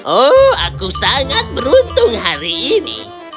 oh aku sangat beruntung hari ini